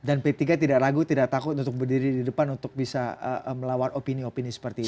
dan p tiga tidak ragu tidak takut untuk berdiri di depan untuk bisa melawar opini opini seperti itu